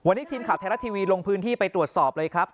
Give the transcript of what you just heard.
วันนี้ทีมข่าวไทยรัฐทีวีลงพื้นที่ไปตรวจสอบเลยครับ